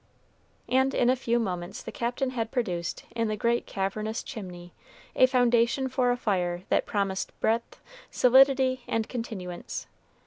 And in a few moments the Captain had produced in the great cavernous chimney a foundation for a fire that promised breadth, solidity, and continuance.